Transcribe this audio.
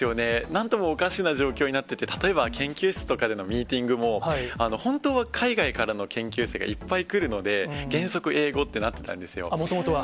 なんともおかしな状況になってて、例えば研究室とかでのミーティングも、本当は海外からの研究生がいっぱい来るので、原則、英語ってなっもともとは。